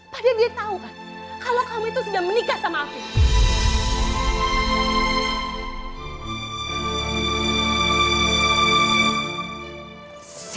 padahal dia tau kan kalau kamu itu sudah menikah sama afif